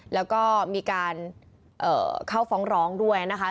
แล้วก็มีการเข้าฟ้องร้องด้วยนะคะ